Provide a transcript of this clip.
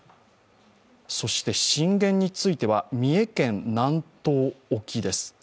震源については三重県南東沖です。